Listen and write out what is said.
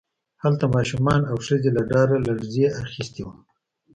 هلته ماشومان او ښځې له ډاره لړزې اخیستي وو